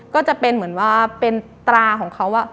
ก็จะเป็นเหมือนว่าเป็นตราของเขา